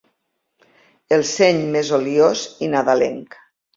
El seny més oliós i nadalenc.